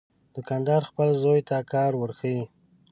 دوکاندار خپل زوی ته کار ورښيي.